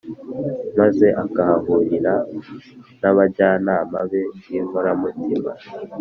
maze akahahurira n’abajyanama be b’inkoramutima,